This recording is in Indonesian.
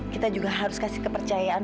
kita juga harus kasih kepercayaan